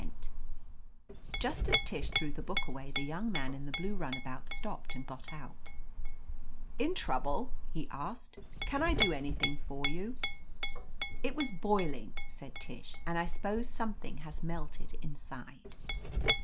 230 •• I OF LETITIA CARBEkRY Just as Tish threw the book away the young man in the blue runabout stopped and got out. "In trouble ?" he asked. "Can I do anything for you ?" "It was boiling," said Tish. "I suppose something has melted inside."